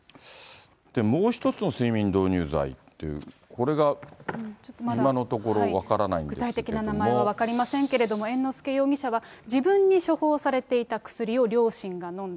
もう１つの睡眠導入剤っていう、これが今のところ分からない具体的な名前は分かりませんけれども、猿之助容疑者は、自分に処方されていた薬を両親が飲んだ。